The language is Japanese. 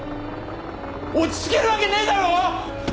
落ち着けるわけねえだろ！